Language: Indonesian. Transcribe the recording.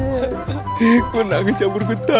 aku nangis cabur ketawa